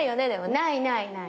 ないないない。